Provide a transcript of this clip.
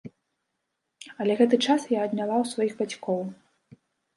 Але гэты час я адняла ў сваіх бацькоў.